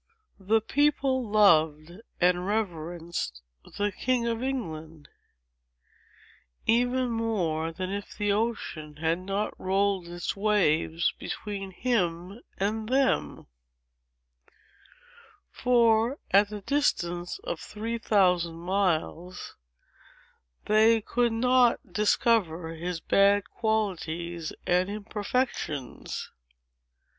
The people loved and reverenced the king of England, even more than if the ocean had not rolled its waves between him and them; for, at the distance of three thousand miles, they could not discover his bad qualities and imperfections.